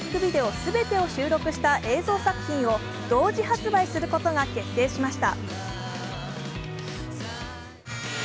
全て収録した映像作品を同時発売することが決定しました。